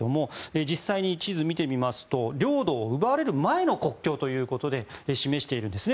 実際に地図を見てみますと領土を奪われる前の国境として示しているんですね。